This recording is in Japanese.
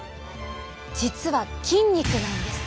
実は筋肉なんです。